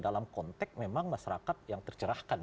dalam konteks memang masyarakat yang tercerahkan